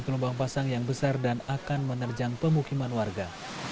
gelombang pasang yang besar dan akan menerjang pemukiman warga